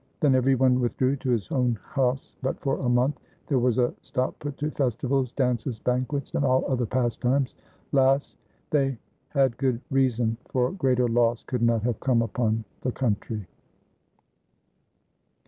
Then every one withdrew to his own house, but for a month there was a stop put to festivals, dances, ban quets, and all other pastimes. 'Las! they had good rea son; for greater loss could not have come upon the country.